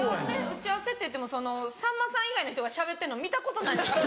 打ち合わせっていってもさんまさん以外の人がしゃべってんの見たことない。